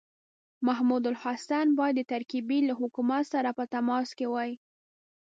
محمودالحسن باید د ترکیې له حکومت سره په تماس کې وای.